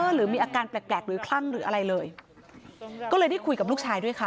หรือมีอาการแปลกแปลกหรือคลั่งหรืออะไรเลยก็เลยได้คุยกับลูกชายด้วยค่ะ